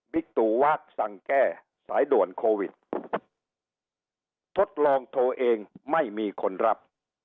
ตูวาคสั่งแก้สายด่วนโควิดทดลองโทรเองไม่มีคนรับ